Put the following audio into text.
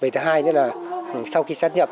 thứ hai sau khi sát nhập